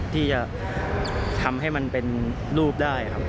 ที่จะทำให้มันเป็นรูปได้ครับ